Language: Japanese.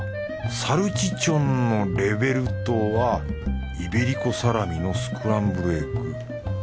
サルチチョンのレヴェルトはイベリコサラミのスクランブルエッグ。